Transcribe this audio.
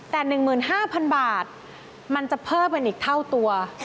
แต่๑๕๐๐๐บาทมันจะเพิ่มเป็นอีกเท่าตัว